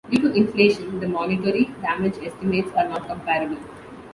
Due to inflation, the monetary damage estimates are not comparable.